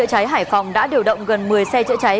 hải phòng đã điều động gần một mươi xe chữa cháy